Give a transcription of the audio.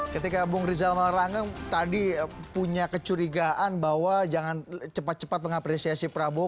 ketika bung rizal malarangeng tadi punya kecurigaan bahwa jangan cepat cepat mengapresiasi prabowo